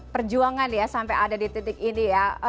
perjuangan ya sampai ada di titik ini ya